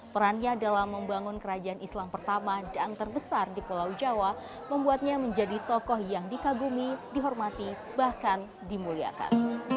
perannya dalam membangun kerajaan islam pertama dan terbesar di pulau jawa membuatnya menjadi tokoh yang dikagumi dihormati bahkan dimuliakan